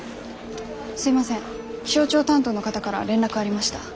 すいません気象庁担当の方から連絡ありました。